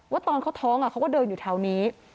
ตอนเขาท้องเขาก็เดินอยู่แถวนี้